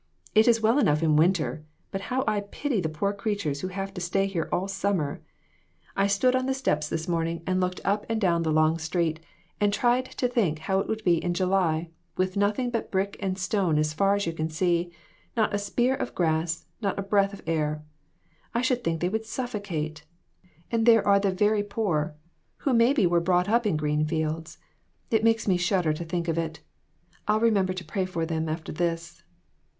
It is well enough in winter, but how I pity the poor creatures who have to stay here all summer! I stood on the 264 WITHOUT ARE DOGS. steps this morning, and looked up and down the long street, and tried to think how it would be in July, with nothing but brick and stone as far as you can see ; not a spear of grass, not a breath of air. I should think they would suffocate. And there are the very poor, who maybe were brought up in green fields. It makes me shudder to think of it. I'll remember to pray for them after this."